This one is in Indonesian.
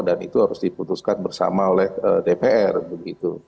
dan itu harus diputuskan bersama oleh dpr begitu